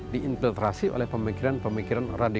diinfiltrasi oleh pemikiran pemikiran radikal